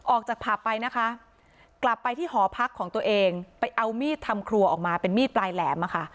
ออกจากผับไปนะคะกลับไปที่หอพักของตัวเองไปเอามีดทำครัวออกมาเป็นมีดปลายแหลม